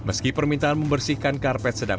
meski permintaan membersihkan karpet sedang